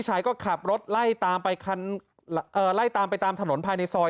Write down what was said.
ชายก็ขับรถไล่ตามไปคันเอ่อไล่ตามไปตามถนนภายในซอย